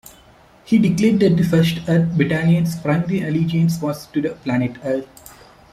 He declared that the First Earth Battalion's primary allegiance was to the planet earth.